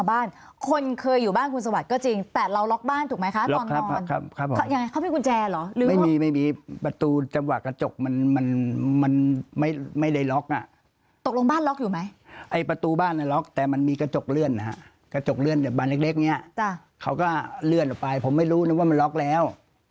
บ้านเล็กนี้เขาก็เลื่อนออกไปผมไม่รู้นะว่ามันล็อคแล้ว